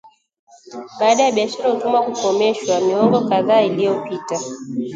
Baada ya biashara ya utumwa kukomeshwa miongo kadhaa iliyopita